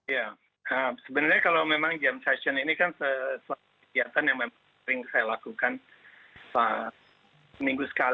ya sebenarnya kalau memang jam session ini kan sesuatu kegiatan yang sering saya lakukan seminggu sekali